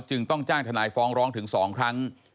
ต้องจ้างทนายฟ้องร้องถึง๒ครั้ง